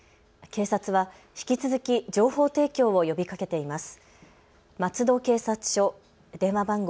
警察は引き続き情報提供を呼びかけています。